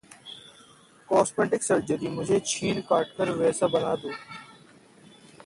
Cosmetic surgery: मुझे छील-काटकर वैसा बना दो!